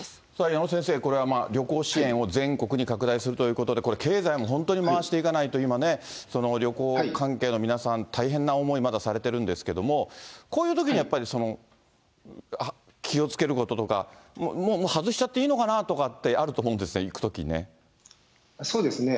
矢野先生、これは旅行支援を全国に拡大するということで、これ、経済も本当に回していかないと、今ね、旅行関係の皆さん、大変な思い、まだされているんですけれども、こういうときにやっぱり、気をつけることとか、もう外しちゃっていいのかなっていうのがあると思うんですよね、そうですね。